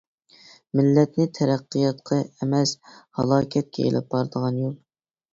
مىللەتنى تەرەققىياتقا ئەمەس ھالاكەتكە ئېلىپ بارىدىغان يول.